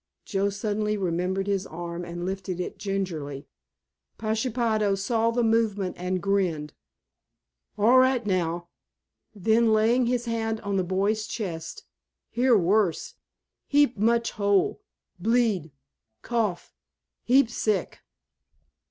Joe suddenly remembered his arm and lifted it gingerly. Pashepaho saw the movement and grinned. "All ri' now." Then laying his hand on the boy's chest, "Here worse. Heap much hole. Bleed. Cough. Heap sick."